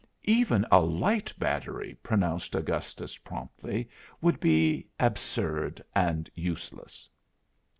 "Even a light battery," pronounced Augustus, promptly, "would be absurd and useless."